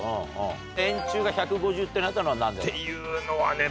円柱が１５０ってなったのは何で？っていうのはね